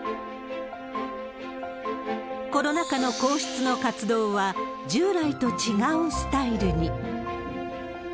コロナ禍の皇室の活動は、従来と違うスタイルに。